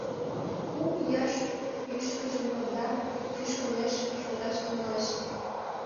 Кум ияш ӱшкыжым конда, шӱшкылеш, шолташ тӱҥалеш.